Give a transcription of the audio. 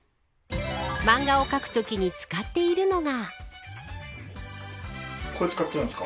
漫画を描くときに使っているのが。